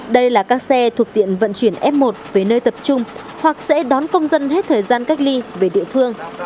đây là các xe thuộc diện vận chuyển f một về nơi tập trung hoặc sẽ đón công dân hết thời gian cách ly về địa phương